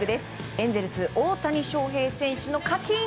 エンゼルス、大谷翔平選手のカキーン！